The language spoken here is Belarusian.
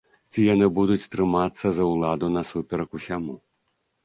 Ці яны будуць трымацца за ўладу насуперак усяму?